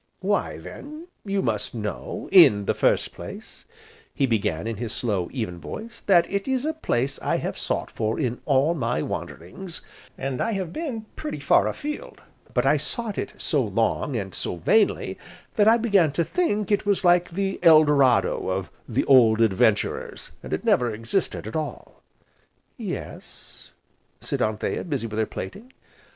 "Why then you must know, in the first place," he began in his slow, even voice, "that it is a place I have sought for in all my wanderings, and I have been pretty far afield, but I sought it so long, and so vainly, that I began to think it was like the El Dorado of the old Adventurers, and had never existed at all." "Yes?" said Anthea, busy with her plaiting.